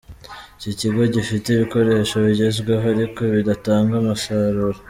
Iki kigo gifite ibikoresho bigezweho ariko bidatanga umusaruro.